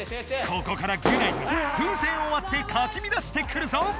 ここからギュナイが風船をわってかきみだしてくるぞ。